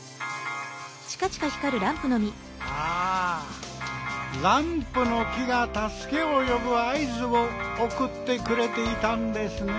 ああランプの木がたすけをよぶあいずをおくってくれていたんですねえ。